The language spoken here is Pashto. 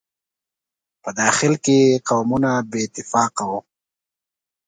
په داخل کې یې قومونه بې اتفاقه وو.